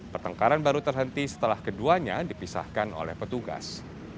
pertengkaran baru terhenti setelah keduanya dipisahkan oleh petugas